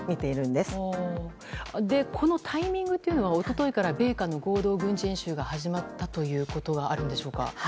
で、このタイミングは一昨日から米韓合同軍事演習が始まったということがあるんでしょうか。